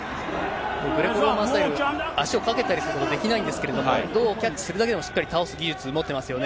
グレコローマンスタイル、足をかけたりすることができないんですけれども、胴をキャッチするだけでも、しっかり倒す技術持ってますよね。